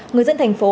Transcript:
người dân thành phố